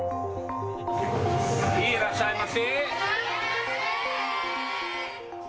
いらっしゃいませ。